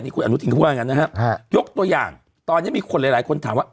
คุณอนุทินเขาว่างั้นนะฮะยกตัวอย่างตอนนี้มีคนหลายหลายคนถามว่า